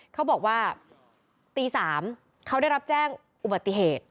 เขาบอกว่าตี๓เขาได้รับแจ้งอุบัติเหตุ